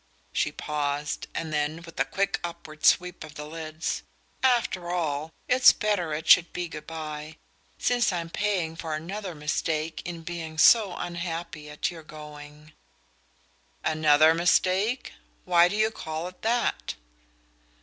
She paused, and then, with a quick upward sweep of the lids: "After all, it's better it should be good bye since I'm paying for another mistake in being so unhappy at your going." "Another mistake? Why do you call it that?"